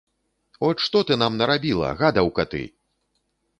От што ты нам нарабіла, гадаўка ты!